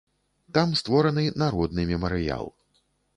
Там створаны народны мемарыял.